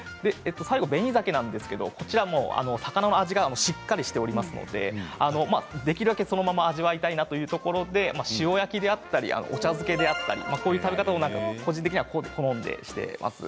ベニザケは魚の味がしっかりしておりますのでできるだけそのまま味わいたいなというところで塩焼きであったりお茶漬けであったりこういう食べ方が個人的に好んでしています。